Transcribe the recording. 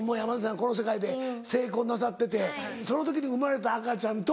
この世界で成功なさっててその時に生まれた赤ちゃんと。